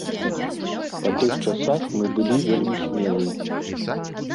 Па тых часах мы былі вельмі смелыя.